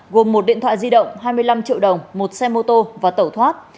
gồm một điện thoại di động hai mươi năm triệu đồng một xe mô tô và tẩu thoát